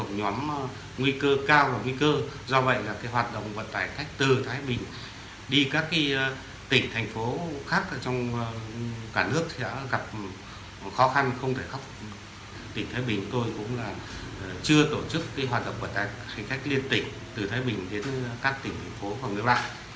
tại vì tôi cũng chưa tổ chức hoạt động vận tải khách liên tình từ thái bình đến các tỉnh phố phòng nước lại